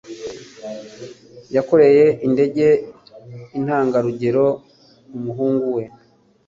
Yakoreye indege ntangarugero umuhungu we.